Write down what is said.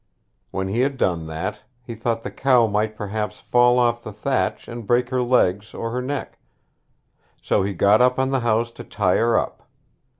When he had done that, he thought the cow might perhaps fall off the thatch and break her legs or her neck. So he got up on the house to tie her up.